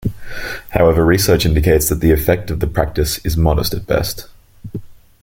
However, research indicates that the effect of the practice is modest at best.